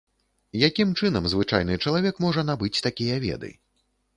Якім чынам звычайны чалавек можа набыць такія веды?